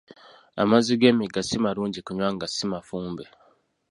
Amazzi g'emigga si malungi kunywa nga si mafumbe.